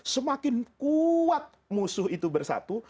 semakin kuat musuh itu bersatu